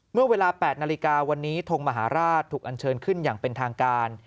เมื่อเวลา๘นาฬิกาวันนี้ทงมหาราชถูกอันเชิญขึ้นอย่างเป็นทางการ